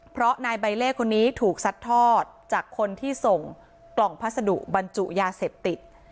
เพราะนายใบเล่คนนี้ถูกซัดทอดจากคนที่ส่งกล่องพัสดุบรรจุยาเสพติด